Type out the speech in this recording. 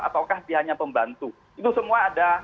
ataukah dia hanya pembantu itu semua ada